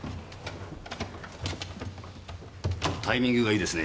タイミングがいいですね。